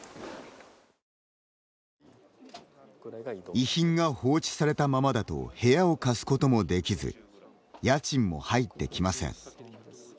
遺品が放置されたままだと部屋を貸すこともできず家賃も入ってきません。